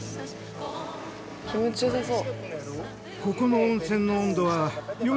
気持ちよさそう。